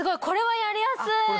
これはやりやすい。